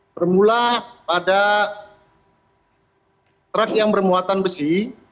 bermula pada truk yang bermuatan besi